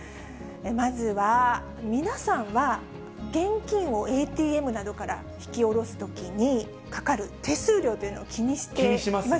まずは皆さんは、現金をＡＴＭなどから引き下ろすときにかかる手数料っていうのを気にしています？